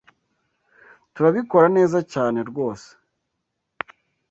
Turabikora neza cyane ryose?